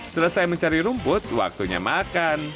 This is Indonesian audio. selesai mencari rumput waktunya makan